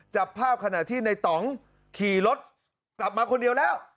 จับภาพขณะที่ในต่องขี่รถกลับมาคนเดียวแล้ว